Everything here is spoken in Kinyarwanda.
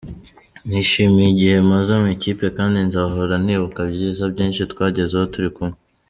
Nishimiye igihe maze mu ikipe kandi nzahora nibuka ibyiza byinshi twagezeho turi kumwe.